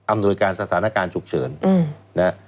อำนวยงานสถานการณ์ฉุกเฉิน